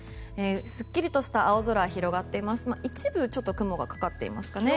すっきりとした青空が広がっていますが一部、雲がかかっていますかね。